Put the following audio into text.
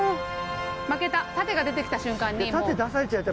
負けた盾が出て来た瞬間にもう。